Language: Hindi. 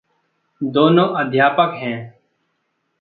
दोनों अध्यापक हैं।